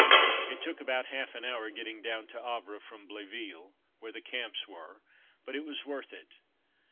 It took about half an hour getting down to Havre from Bléville where the Camps were, but it was worth it.